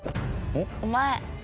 「お前」。